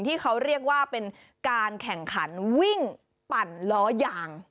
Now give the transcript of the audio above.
ที่เขาเรียกว่าเป็นการแข่งขันวิ่งปั่นล้อยาง